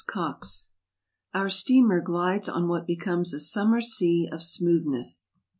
COX OUR steamer glides on what becomes a summer sea of smoothness.